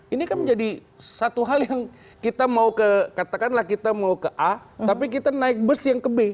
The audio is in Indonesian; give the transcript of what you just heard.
ini kan menjadi satu hal yang kita mau ke katakanlah kita mau ke a tapi kita naik bus yang ke b